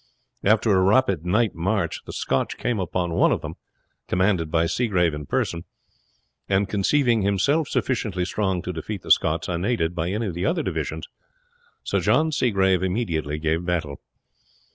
After a rapid night march the Scotch came upon one of them, commanded by Seagrave in person; and conceiving himself sufficiently strong to defeat the Scots unaided by any of the other divisions, Sir John Seagrave immediately gave battle.